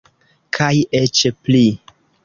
Kaj eĉ pli!